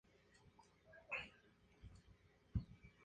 Cada parte puede pertenecer a un estilo arquitectónico particular.